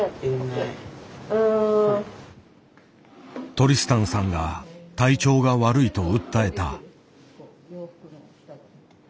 トリスタンさんが体調が悪いと訴えた。